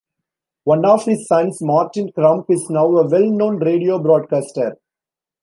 One of his sons, Martin Crump is now a well-known radio broadcaster.